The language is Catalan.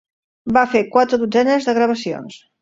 Va fer quatre dotzenes de gravacions.